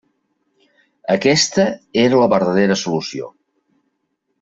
Aquesta era la verdadera solució.